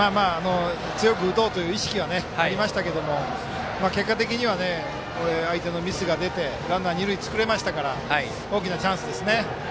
強く打とうという意識がありましたけれども結果的には相手のミスが出てランナー、二塁を作れましたから大きなチャンスですね。